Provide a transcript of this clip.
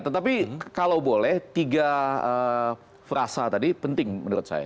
tetapi kalau boleh tiga frasa tadi penting menurut saya